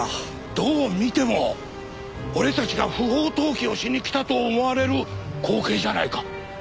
どう見ても俺たちが不法投棄をしに来たと思われる光景じゃないか。